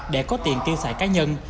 để có tiền tiêu xài cá nhân